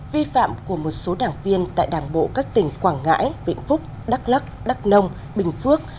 hai vi phạm của một số đảng viên tại đảng bộ các tỉnh quảng ngãi viện phúc đắk lắk đắk nông bình phước